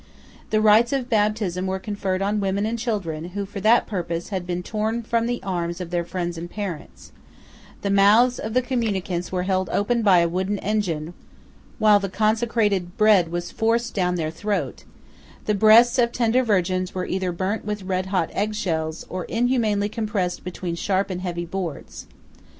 The rites of baptism were conferred on women and children, who, for that purpose, had been torn from the arms of their friends and parents; the mouths of the communicants were held open by a wooden engine, while the consecrated bread was forced down their throat; the breasts of tender virgins were either burnt with red hot egg shells, or inhumanly compressed betweens harp and heavy boards.